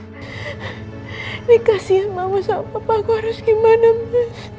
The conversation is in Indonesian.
ini kasihan mama sama papa aku harus gimana mas